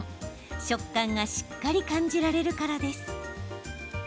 食感がしっかり感じられるからです。